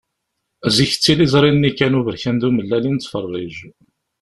Zik d tiliẓri-nni kan uberkan d umellal i nettferrij.